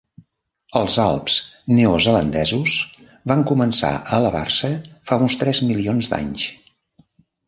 Els Alps Neozelandesos van començar a elevar-se fa uns tres milions d'anys.